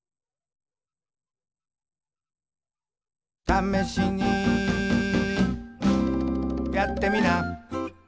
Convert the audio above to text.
「ためしにやってみな」